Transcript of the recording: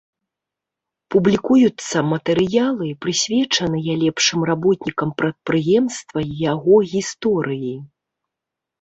Публікуюцца матэрыялы, прысвечаныя лепшым работнікам прадпрыемства і яго гісторыі.